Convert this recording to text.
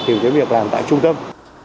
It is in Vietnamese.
từ việc làm tại trung tâm